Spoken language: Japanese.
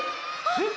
えっ？